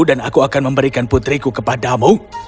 dan aku akan memberikan putriku kepadamu